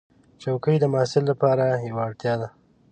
چوکۍ د محصل لپاره یوه اړتیا ده.